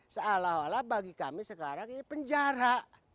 sealah alah bagi kami sekarang ini penjara